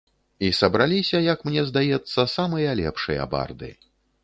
І сабраліся, як мне здаецца, самыя лепшыя барды.